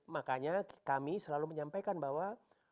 makanya kami selalu menyampaikan bahwa